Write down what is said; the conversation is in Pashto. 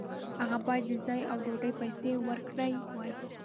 هغه باید د ځای او ډوډۍ پیسې ورکړې وای.